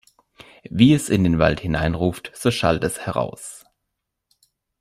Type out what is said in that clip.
Wie es in den Wald hineinruft, so schallt es heraus.